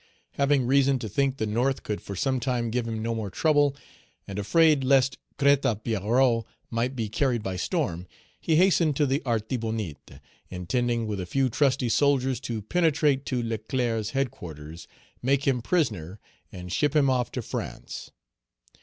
Having reason to think the North could for some time give him no more trouble, and afraid lest Crête a Pierrot might be carried by storm, he hastened to the Artibonite, intending with a few trusty soldiers to penetrate to Leclerc's headquarters, make him prisoner, and ship him off to France.